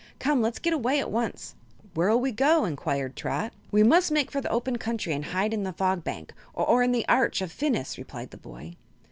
Come, let's get away at once!" "Where'll we go?" inquired Trot. "We must make for the open country and hide in the Fog Bank, or in the Arch of Phinis," replied the boy.